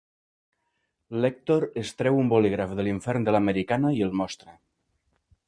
L'Èctor es treu un bolígraf de l'infern de l'americana i el mostra.